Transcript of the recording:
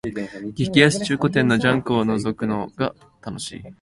激安中古店のジャンクをのぞくのが楽しい